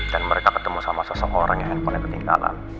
dan mereka ketemu sama seseorang yang handphonenya ketinggalan